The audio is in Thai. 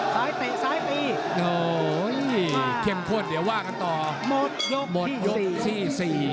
สายปีสายปีมามาหมดยกที่๔